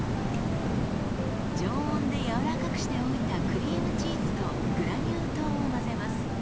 常温で柔らかくしておいたクリームチーズとグラニュー糖を混ぜます。